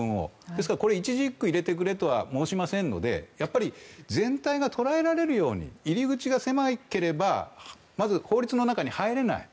ですから、これを一字一句入れてくれとは申しませんので全体が捉えられるように入り口が狭ければまず法律の中に入れない。